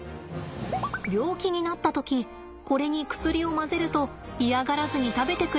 病気になった時これに薬を混ぜると嫌がらずに食べてくれるんですって。